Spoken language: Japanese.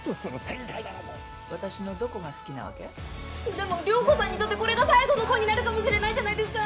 でも涼子さんにとってこれが最後の恋になるかもしれないじゃないですか。